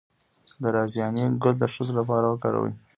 د رازیانې ګل د ښځو لپاره وکاروئ